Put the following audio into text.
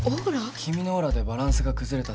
君のオーラでバランスが崩れたせいかな。